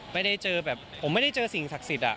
ไม่ได้เจอแบบผมไม่ได้เจอสิ่งศักดิ์สิทธิ์